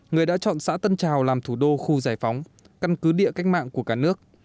người đã chọn xã tân trào làm thủ đô khu giải phóng căn cứ địa cách mạng của cả nước